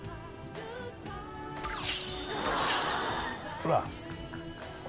ほら。